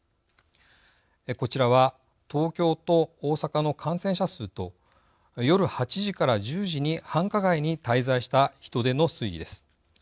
こちらは東京と大阪の感染者数と夜８時から１０時に繁華街に滞在した人出の推移です。